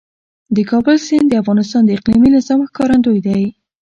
د کابل سیند د افغانستان د اقلیمي نظام ښکارندوی دی.